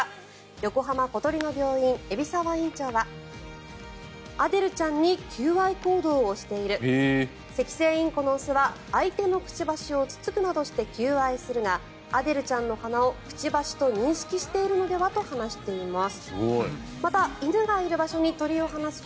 横浜小鳥の病院、海老沢院長はアデルちゃんに求愛行動をしているセキセイインコの雄は相手のくちばしをつつくなどして求愛するがアデルちゃんの鼻をくちばしと認識しているのではと話しています。